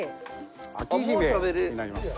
章姫になります。